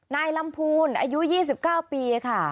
นายลำพูนอายุ๒๙ปีค่ะ